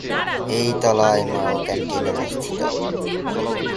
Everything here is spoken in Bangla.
এই তলায় "মাও ক্যান্টিন" অবস্থিত।